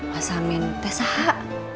wasamin teh sahak